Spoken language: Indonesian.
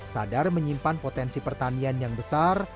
sadar menyimpan potensi pertanian yang besar